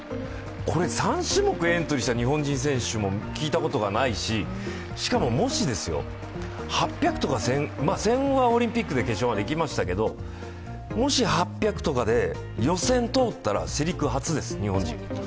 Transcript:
これ、３種目エントリーした日本人選手も聴いたことがないし、しかも、もし１５００はオリンピックで決勝まで行きましたけどもし、８００とかで予選が通ったら日本人世陸初です。